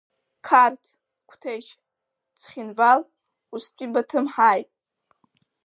Қарҭ, Қәҭешь, Цхинвал, устәи Баҭым ҳааит.